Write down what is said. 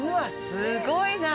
すごいな。